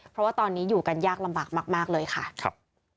เพราะว่าตอนนี้อยู่กันยากลำบากมากเลยค่ะครับ